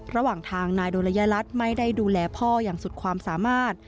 ระหว่างทางนายโดรยรัฐไม่ได้ดูแลพ่ออย่างสุดความสามารถ